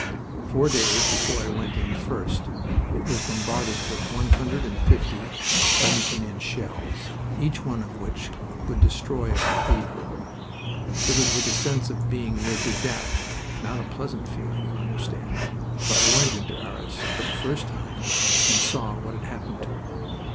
Four days before I went in first it was bombarded with one hundred and fifty seventeen inch shells, each one of which would destroy a cathedral. It was with a sense of being near to death not a pleasant feeling, you understand that I went into Arras for the first time and saw what had happened to it.